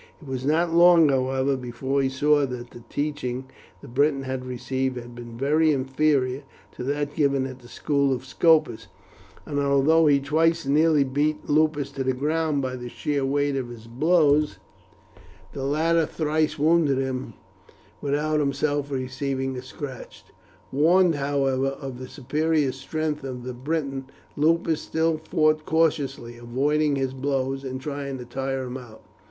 It was not long, however, before he saw that the teaching the Briton had received had been very inferior to that given at the school of Scopus, and although he twice nearly beat Lupus to the ground by the sheer weight of his blows, the latter thrice wounded him without himself receiving a scratch. Warned, however, of the superior strength of the Briton Lupus still fought cautiously, avoiding his blows, and trying to tire him out.